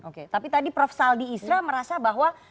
oke tapi tadi prof saldi isra merasa bahwa